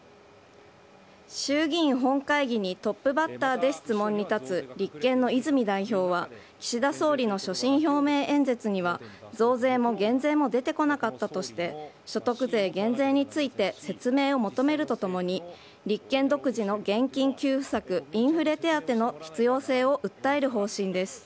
衆議院本会議にトップバッターで質問に立つ立憲の泉代表は、岸田総理の所信表明演説には、増税も減税も出てこなかったとして、所得税減税について説明を求めるとともに、立憲独自の現金給付策、インフレ手当の必要性を訴える方針です。